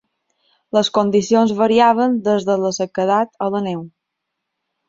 Les condicions variaven des de la sequedat a la neu.